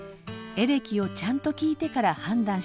エレキをちゃんと聴いてから判断してほしい。